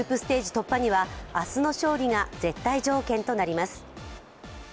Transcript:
突破には、明日の勝利が絶対条件となります。